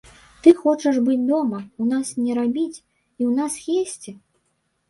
Ты хочаш быць дома, у нас не рабіць і ў нас есці?